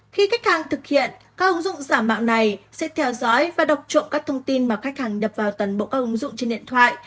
khi khách hàng thực hiện các ứng dụng giả mạo này sẽ theo dõi và đọc trộm các thông tin mà khách hàng nhập vào toàn bộ các ứng dụng trên điện thoại